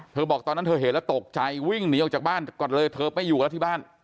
บอกตอนนั้นเธอเห็นแล้วตกใจวิ่งหนีออกจากบ้านก่อนเลยเธอไม่อยู่แล้วที่บ้าน